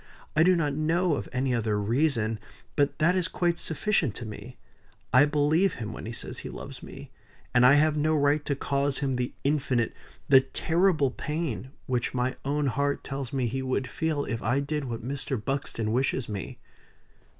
"I do not know of any other reason; but that is quite sufficient to me. I believe him when he says he loves me; and I have no right to cause him the infinite the terrible pain, which my own heart tells me he would feel, if I did what Mr. Buxton wishes me."